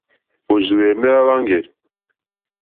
Òrzìhwɛ̀mɛ́́ hwá hwáŋɡè.